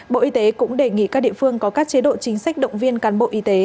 bộ y tế cũng đề nghị các địa phương có các chế độ chính sách động viên cán bộ y tế